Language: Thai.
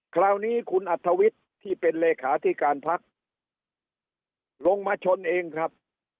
คราวนี้คุณอัธวิทย์ที่เป็นเลขาธิการพักลงมาชนเองครับ